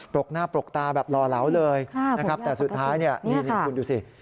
รกหน้าปรกตาแบบหล่อเหลาเลยนะครับแต่สุดท้ายเนี่ยนี่คุณดูสิ